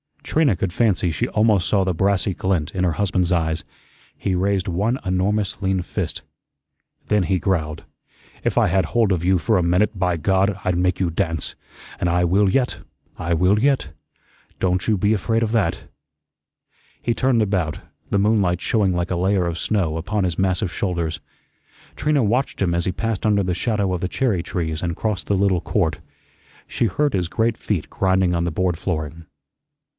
Trina could fancy she almost saw the brassy glint in her husband's eyes. He raised one enormous lean fist. Then he growled: "If I had hold of you for a minute, by God, I'd make you dance. An' I will yet, I will yet. Don't you be afraid of that." He turned about, the moonlight showing like a layer of snow upon his massive shoulders. Trina watched him as he passed under the shadow of the cherry trees and crossed the little court. She heard his great feet grinding on the board flooring.